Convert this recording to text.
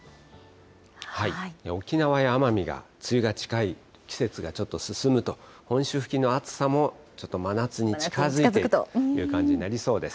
沖縄や奄美が梅雨が近い季節がちょっと進むと、本州付近の暑さもちょっと真夏に近づいていくという感じになりそうです。